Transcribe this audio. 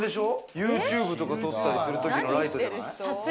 ユーチューブとか撮ったりするときのライトじゃない？